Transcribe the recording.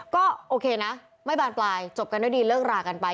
ก็โอเคนะไม่บานปลายจบกันด้วยดีเลิกรากันไป